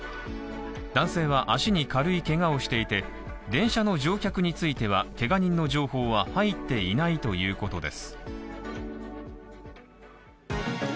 男性は足に軽いけがをしていて電車の乗客についてはけが人の情報は入っていないということです